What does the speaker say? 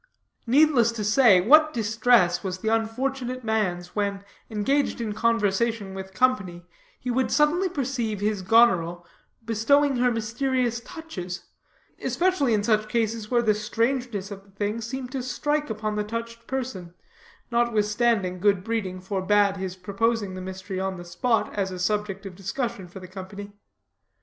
Needless to say what distress was the unfortunate man's, when, engaged in conversation with company, he would suddenly perceive his Goneril bestowing her mysterious touches, especially in such cases where the strangeness of the thing seemed to strike upon the touched person, notwithstanding good breeding forbade his proposing the mystery, on the spot, as a subject of discussion for the company.